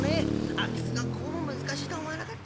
空き巣がこうも難しいとは思わなかった。